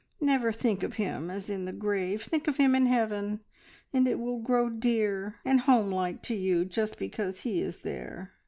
Never think of him as in the grave, think of him in heaven, and it will grow dear and home like to you just because he is there.